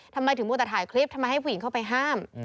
ทำไมถึงมัวแต่ถ่ายคลิปทำไมให้ผู้หญิงเข้าไปห้าม